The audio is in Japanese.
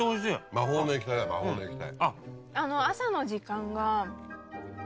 魔法の液体だ魔法の液体。